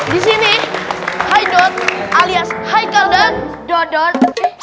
di sini haikal alias haikal dan dodot